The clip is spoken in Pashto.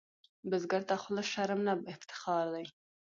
بزګر ته خوله شرم نه، افتخار دی